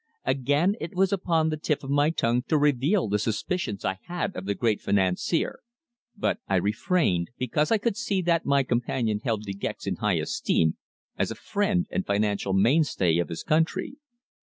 Again it was upon the tip of my tongue to reveal the suspicions I had of the great financier, but I refrained, because I could see that my companion held De Gex in high esteem as a friend and financial mainstay of his country.